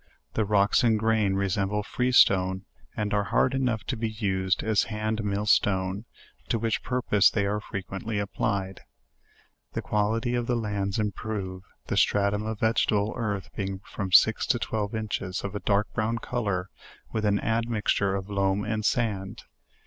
The rocks in grain, resemble freestone, and are hard enough to be used as hand mill stone, to which purpose they are fre quently applied . The quality of the lands improve, the stra* turn of vegetable earth being from six to twelve inches, of a dark brown color, with an admixture of loam and sand.